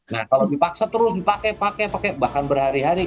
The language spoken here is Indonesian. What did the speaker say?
nah kalau dipaksa terus dipakai pakai bahkan berhari hari